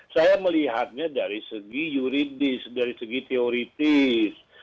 saya melihatnya dari segi yuridis dari segi teoritis